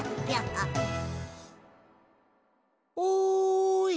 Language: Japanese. おい！